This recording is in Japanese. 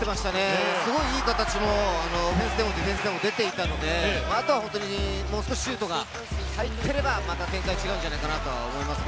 いい形のオフェンス、ディフェンスが出ていたので、もう少しシュートが入っていれば展開が違うんじゃないかと思います。